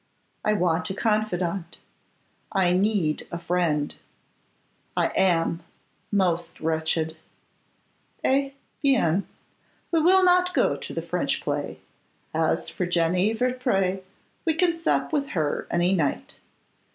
I want a confidant, I need a friend; I am most wretched.' 'Eh! bien! we will not go to the French play. As for Jenny Vertpré, we can sup with her any night.